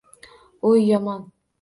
O’y yomon.